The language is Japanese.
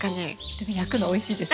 でも焼くのおいしいです